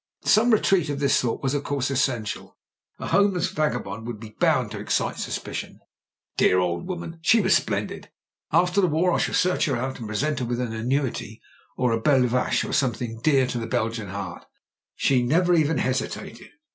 Some retreat of this sort was, of course, essen tial. A homeless vagabond would be bound to excite suspicion. "Dear old woman — she was splendid. After the war I shall search her out, and present her with an annuity, or a belle vache, or something dear to the JIM BRENT'S V.C 147 Belgian heart. She never even hesitated.